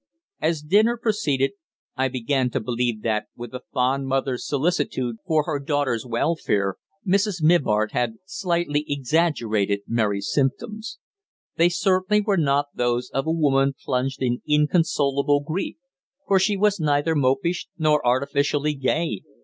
As dinner proceeded I began to believe that, with a fond mother's solicitude for her daughter's welfare, Mrs. Mivart had slightly exaggerated Mary's symptoms. They certainly were not those of a woman plunged in inconsolable grief, for she was neither mopish nor artificially gay.